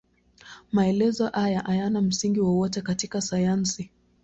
Maelezo hayo hayana msingi wowote katika sayansi.